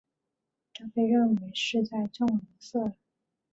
这被认为是在纵容色狼。